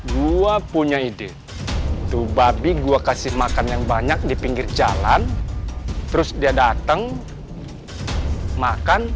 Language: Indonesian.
gue punya ide tuh babi gua kasih makan yang banyak di pinggir jalan terus dia datang makan